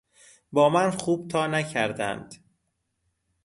با من خوب تا نکردند.